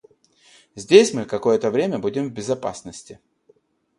Здесь мы какое-то время будем в безопасноти.